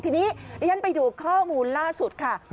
ทีนี้ไปดูข้อมูลล่าสุดค่ะ